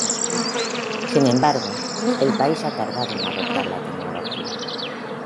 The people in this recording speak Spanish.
Sin embargo, el país ha tardado en adoptar la tecnología.